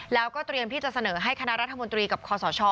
แล้วก็เตรียมที่จะเสนอให้คณะรัฐมนตรีกับคอสช